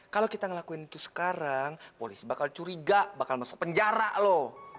kalau kita ngelakuin itu sekarang polisi bakal curiga bakal masuk penjara loh